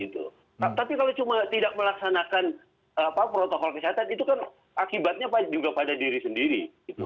tapi kalau cuma tidak melaksanakan protokol kesehatan itu kan akibatnya juga pada diri sendiri